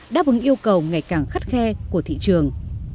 đáp ứng yêu cầu ngày càng khắt khe của thị trường